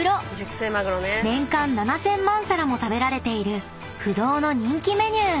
［年間７，０００万皿も食べられている不動の人気メニュー］